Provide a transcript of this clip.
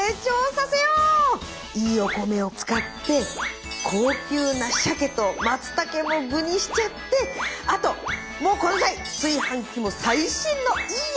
いいお米を使って高級なシャケとマツタケも具にしちゃってあともうこの際炊飯器も最新のいいやつに買い替えよう。